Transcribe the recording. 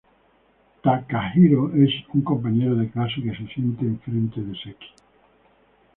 Takahiro es un compañero de clase que se siente en frente de Seki.